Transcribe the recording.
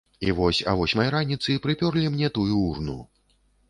І вось а восьмай раніцы прыпёрлі мне тую урну.